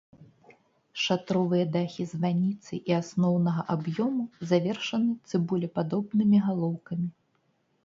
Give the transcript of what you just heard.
Шатровыя дахі званіцы і асноўнага аб'ёму завершаны цыбулепадобнымі галоўкамі.